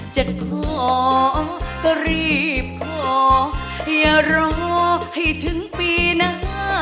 จะขอก็รีบขออย่ารอให้ถึงปีหน้า